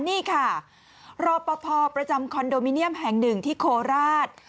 นี่ค่ะรอปภประจำคอนโดมิเนียมแห่งหนึ่งที่โคราช